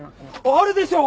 あるでしょ！